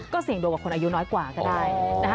เสี่ยงดวงกับคนอายุน้อยกว่าก็ได้นะคะ